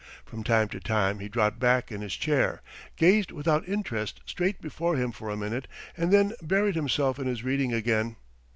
... From time to time he dropped back in his chair, gazed without interest straight before him for a minute, and then buried himself in his reading again.